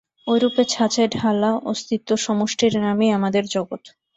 ঐরূপে ছাঁচে ঢালা অস্তিত্ব-সমষ্টির নামই আমাদের জগৎ।